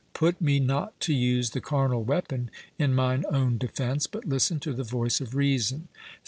Put me not to use the carnal weapon in mine own defence, but listen to the voice of reason.